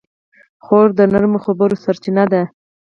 خور د نرمو خبرو سرچینه ده.